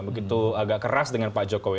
begitu agak keras dengan pak jokowi